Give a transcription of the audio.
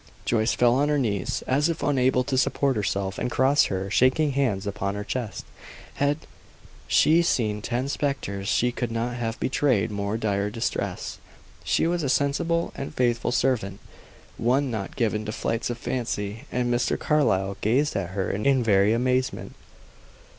Joyce fell on her knees, as if unable to support herself, and crossed her shaking hands upon her chest. Had she seen ten spectres she could not have betrayed more dire distress. She was a sensible and faithful servant, one not given to flights of fancy, and Mr. Carlyle gazed at her in very amazement.